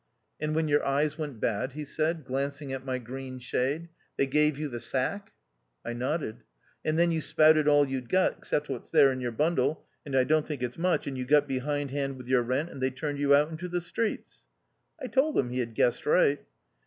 " And when your eyes went bad," he said, glancing at my green shade, they gave you the sack ?" I nodded. " And then you spouted all you'd got, except what's there in your bundle, and I don't think it's much, and you got behind hand with your rent, and they turned you out into the streets ?" I told him he had guessed right.